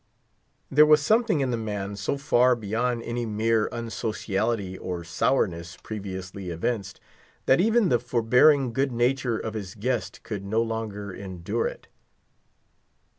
There was something in the man so far beyond any mere unsociality or sourness previously evinced, that even the forbearing good nature of his guest could no longer endure it.